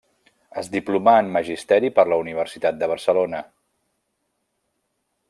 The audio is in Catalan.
Es diplomà en magisteri per la Universitat de Barcelona.